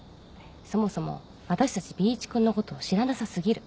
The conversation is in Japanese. そもそも私たちＢ一君のこと知らなさすぎる。